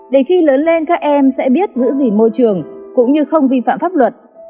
để khi lớn lên các em sẽ biết giữ gìn môi trường cũng như không vi phạm pháp luật